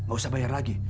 gak usah bayar lagi